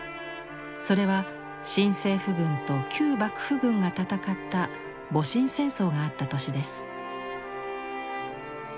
それは新政府軍と旧幕府軍が戦った戊辰戦争があった年です。